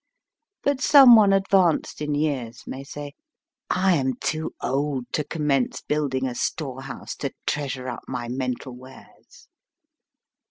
But someone advanced in years may say, "I am too old to commence building a storehouse to treasure up my mental wares."